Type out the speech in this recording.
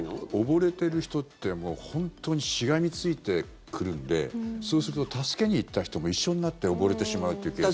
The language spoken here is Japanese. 溺れてる人って本当にしがみついてくるんでそうすると、助けに行った人も一緒になって溺れてしまうというケースが。